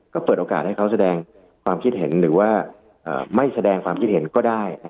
ก็เปิดโอกาสให้เขาแสดงความคิดเห็นหรือว่าไม่แสดงความคิดเห็นก็ได้